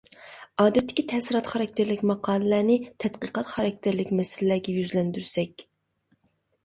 ئادەتتىكى تەسىرات خاراكتېرلىك ماقالىلەرنى تەتقىقات خاراكتېرلىك مەسىلىلەرگە يۈزلەندۈرسەك.